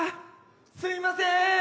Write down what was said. すいません！